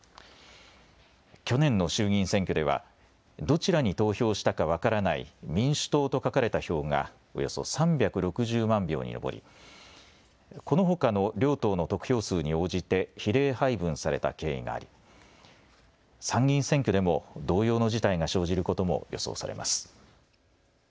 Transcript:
去年の衆議院選挙ではどちらに投票したか分からない民主党と書かれた票がおよそ３６０万票に上りこのほかの両党の得票数に応じて比例配分された経緯があり参議院選挙でも同様の事態が生じることも予想されます。